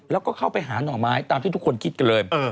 แล้วก็เข้าไปหาหน่อไม้ตามที่ทุกคนคิดกันเลย